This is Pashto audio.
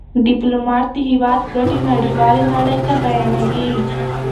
ډيپلومات د هېواد ګټې نړېوالي نړۍ ته بیانوي.